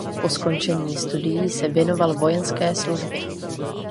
Po skončení studií se věnoval vojenské službě.